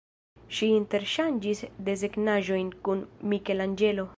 Ŝi interŝanĝis desegnaĵojn kun Mikelanĝelo.